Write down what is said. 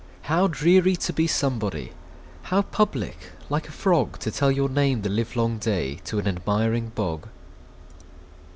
How dreary to be somebody! How public, like a frogTo tell your name the livelong dayTo an admiring bog!